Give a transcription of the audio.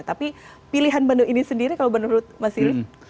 tapi pilihan menu ini sendiri kalau menurut mas ili